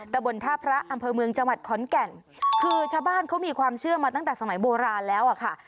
บนท่าพระอำเภอเมืองจังหวัดขอนแก่นคือชาวบ้านเขามีความเชื่อมาตั้งแต่สมัยโบราณแล้วอะค่ะ